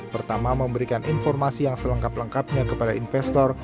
pertama memberikan informasi yang selengkap lengkapnya kepada investor